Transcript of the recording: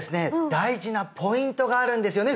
大事なポイントがあるんですよね？